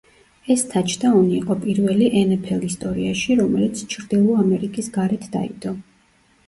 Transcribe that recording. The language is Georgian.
ეს თაჩდაუნი იყო პირველი ნფლ ისტორიაში, რომელიც ჩრდილო ამერიკის გარეთ დაიდო.